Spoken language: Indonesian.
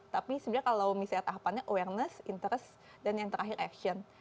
tapi sebenarnya kalau misalnya tahapannya awareness interest dan yang terakhir action